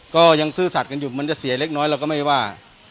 ซื่อสัตว์กันอยู่มันจะเสียเล็กน้อยเราก็ไม่ว่า